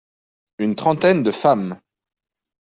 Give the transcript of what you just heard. Une trentaine de femmes.